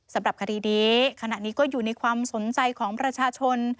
สำหรับคดีนี้ขณะนี้ก็อยู่ในความสนใจของประชาชน